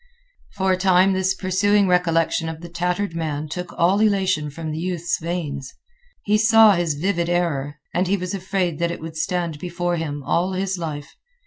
For a time this pursuing recollection of the tattered man took all elation from the youth's veins. He saw his vivid error, and he was afraid that it would stand before him all his life.